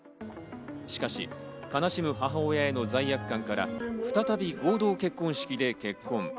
しかし、悲しむ母親への罪悪感から再び合同結婚式で結婚。